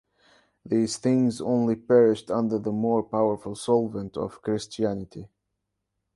These things only perished under the more powerful solvent of Christianity.